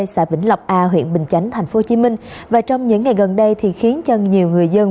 xã vĩnh lộc a huyện bình chánh tp hcm và trong những ngày gần đây thì khiến cho nhiều người dân